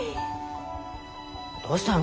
どうしたの？